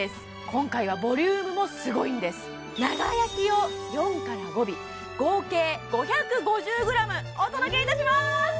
今回はボリュームもすごいんです長焼きを４から５尾合計５５０ｇお届けいたします！